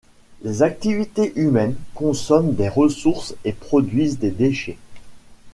Les activités humaines consomment des ressources et produisent des déchets.